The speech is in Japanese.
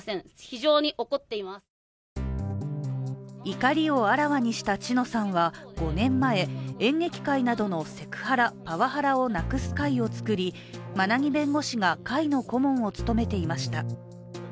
怒りをあらわにした知乃さんは５年前、演劇界などのセクハラ・パワハラをなくす会を作り馬奈木弁護士が会の顧問を務めていました。